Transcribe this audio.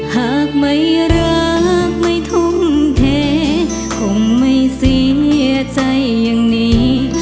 หากไม่รักไม่ทุ่มเทคงไม่เสียใจอย่างนี้